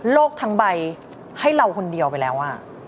ทั้งใบให้เราคนเดียวไปแล้ว